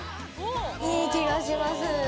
いい気がします。